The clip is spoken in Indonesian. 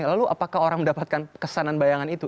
lalu apakah orang mendapatkan kesanan bayangan itu